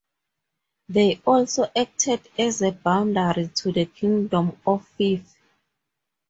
They also acted as a boundary to the Kingdom of Fife.